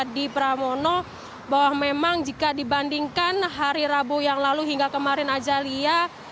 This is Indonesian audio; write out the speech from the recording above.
bapak ramono bahwa memang jika dibandingkan hari rabu yang lalu hingga kemarin aja lia